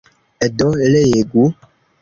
Do, legu!